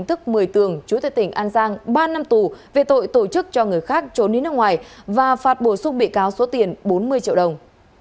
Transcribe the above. tức một mươi tường chú tại tỉnh an giang ba năm tù về tội tổ chức cho người khác trốn đi nước ngoài và phạt bổ sung bị cáo số tiền bốn mươi triệu đồng